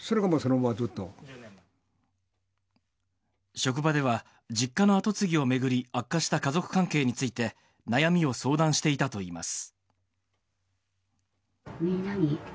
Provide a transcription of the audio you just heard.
職場では実家の跡継ぎを巡り悪化した家族関係について悩みを相談していたといいます。